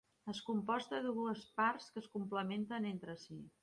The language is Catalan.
Està composta per dues parts que es complementen entre si.